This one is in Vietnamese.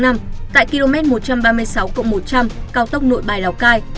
tại km một trăm ba mươi sáu một trăm linh cao tốc nội bài lào cai